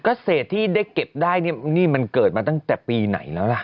เกษตรที่ได้เก็บได้นี่มันเกิดมาตั้งแต่ปีไหนแล้วล่ะ